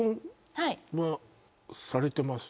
はいされてます？